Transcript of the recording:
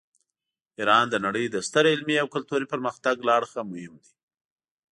ایران د نړۍ د ستر علمي او کلتوري پرمختګ له اړخه مهم دی.